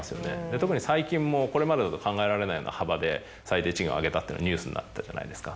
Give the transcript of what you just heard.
特に最近もこれまでだと考えられないような幅で最低賃金を上げたっていうのがニュースになってたじゃないですか。